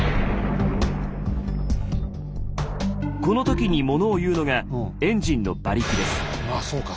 この時にものを言うのがエンジンの馬力です。